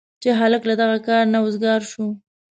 چې هلک له دغه کاره نه وزګار شو.